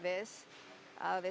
pejabat seperti ini